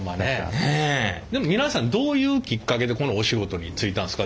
でも皆さんどういうきっかけでこのお仕事に就いたんですか？